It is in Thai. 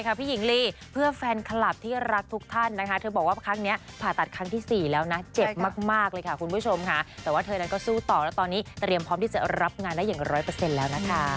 แค่นั้นมันหลายครั้งแล้วยิ่งไม่ไหวแล้ว